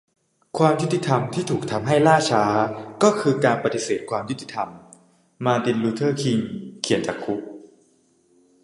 "ความยุติธรรมที่ถูกทำให้ล่าช้า ก็คือการปฏิเสธความยุติธรรม" - มาร์ติน ลูเธอร์ คิง เขียนจากคุก